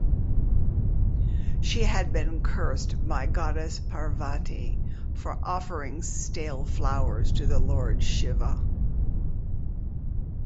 She had been cursed by Goddess Parvati for offering stale flowers to Lord Shiva.